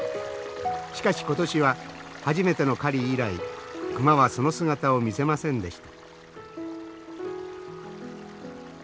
しかし今年は初めての狩り以来熊はその姿を見せませんでした。